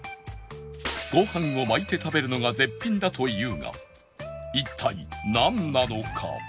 ご飯を巻いて食べるのが絶品だというが一体なんなのか？